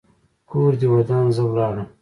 کور دې ودان؛ زه ولاړم.